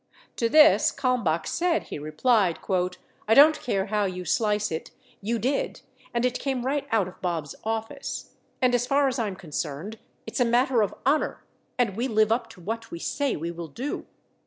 To this Kalmbach said he replied, "I don't care how you slice it, you did, and it came right out of Bob's office. And as far as I'm concerned, it's a matter of honor and we live up to what we say we will do."